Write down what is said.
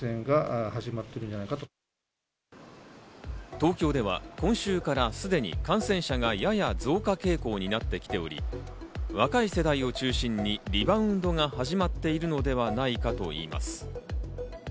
東京では今週からすでに感染者がやや増加傾向になってきており、若い世代を中心にリバウンドが始まっているのではないかといいます。